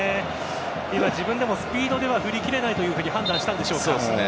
今、自分でもスピードでは振りきれないと判断したんでしょうか。